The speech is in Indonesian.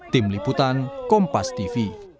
tim liputan kompas tv